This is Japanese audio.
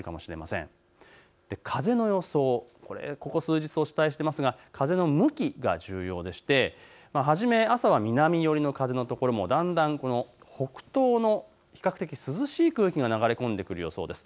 風の予想、ここ数日お伝えしていますが風の向きが重要でして、初め朝は南寄りの風のところもだんだん北東の比較的涼しい風が流れ込んでくる予想です。